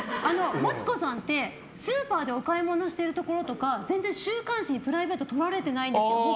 マツコさんってスーパーでお買い物してるところとか全然週刊誌にプライベート撮られてないんです。